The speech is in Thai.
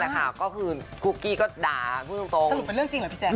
สรุปเป็นเรื่องจริงหรือพี่แจน